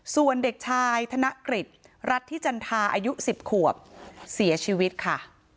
ส่วนเด็กชายธนกฤษรัฐธิจันทาอายุ๑๐ขวบเสียชีวิตค่ะ